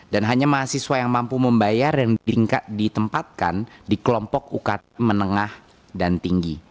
hanya mahasiswa yang mampu membayar dan ditempatkan di kelompok ukt menengah dan tinggi